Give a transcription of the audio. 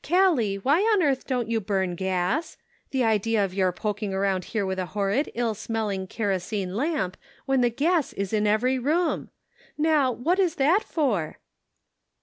Gallic, why on earth don't you bum gas ? The idea of your poking around here with a horrid, ill smelling kerosene lamp, when the gas is in every room ! Now, what is that for?"